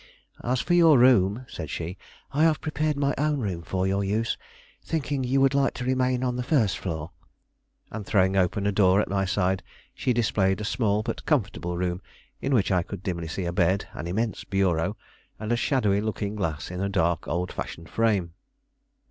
"As for your room," said she, "I have prepared my own room for your use, thinking you would like to remain on the first floor." And, throwing open a door at my side, she displayed a small, but comfortable room, in which I could dimly see a bed, an immense bureau, and a shadowy looking glass in a dark, old fashioned frame.